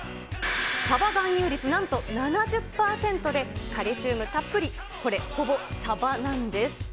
サバ含有率なんと７０％で、カルシウムたっぷり、これほぼサバなんです。